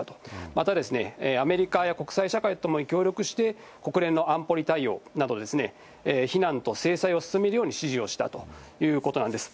またアメリカや国際社会とも協力して、国連の安保理対応など、非難と制裁を進めるように指示をしたということなんです。